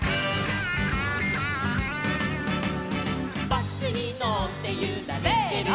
「バスにのってゆられてる」せの！